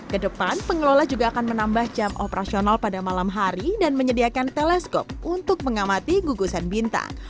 kedepan pengelola juga akan menambah jam operasional pada malam hari dan menyediakan teleskop untuk mengamati gugusan bintang